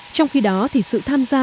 trong khi đó thì sự tham gia